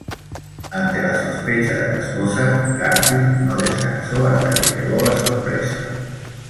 Ante la sospecha de las cosas, Garfield "no descanso hasta que llegó la sorpresa".